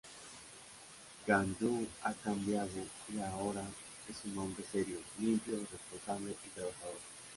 Gang-du ha cambiado y ahora es un hombre serio, limpio, responsable y trabajador.